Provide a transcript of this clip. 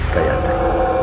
tidak pak man